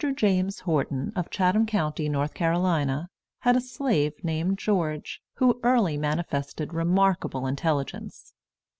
James Horton, of Chatham County, North Carolina, had a slave named George, who early manifested remarkable intelligence.